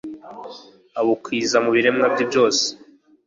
abukwiza mu biremwa bye byose